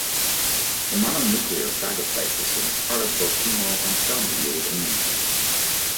The mononuclear phagocyte system is part of both humoral and cell-mediated immunity.